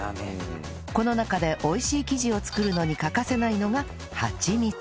この中で美味しい生地を作るのに欠かせないのがはちみつ